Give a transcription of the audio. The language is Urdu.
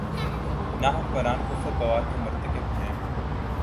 نہ حکمران کفر بواح کے مرتکب ہیں۔